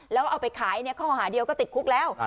แล้วเอาไปขายข้อหาเดียวก็ติดคุกแล้ว